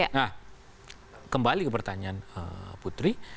nah kembali ke pertanyaan putri